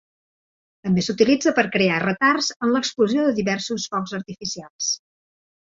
També s'utilitza per crear retards en l'explosió de diversos focs artificials.